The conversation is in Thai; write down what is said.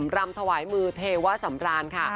รำถวายมือเทวสำราญ